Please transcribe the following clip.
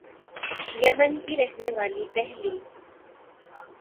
یمن کی رہنے والی پہلی